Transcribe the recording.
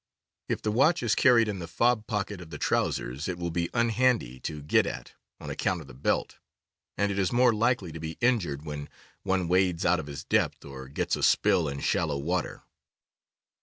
If the watch is carried in the fob pocket of the trousers it will be unhandy to get at, on account of the belt, and it is more likely to be injured when one wades out of his depth or gets a spill in shallow water.